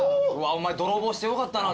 お前泥棒してよかったな。